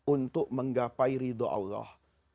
untuk menggapai ridho allah